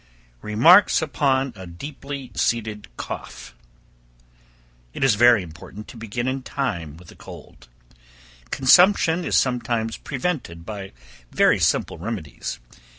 Remarks upon a Deeply Seated Cough. It is very important to begin in time with a cold. Consumption is sometimes prevented by very simple remedies.